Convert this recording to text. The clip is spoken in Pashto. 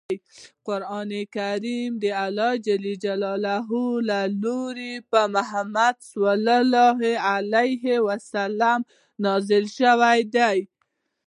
قران کریم دالله ج له لوری په محمد ص نازل شوی دی.